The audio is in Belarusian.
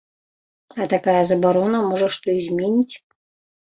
А такая забарона, можа, што і зменіць.